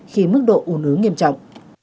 khi mức độ ủn ứng nghiêm trọng